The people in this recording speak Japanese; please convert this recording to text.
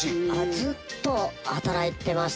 ずっと働いてました。